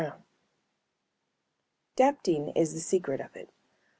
_ Daptine is the secret of it.